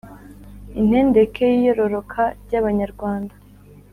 intondeke yiyororoka ry’Abanyarwanda